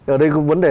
ở đây cũng vấn đề